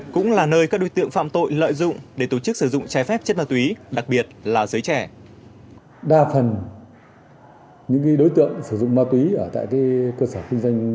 cũng là nơi các đối tượng phạm tội lợi dụng để tổ chức sử dụng trái phép chất ma túy đặc biệt là giới trẻ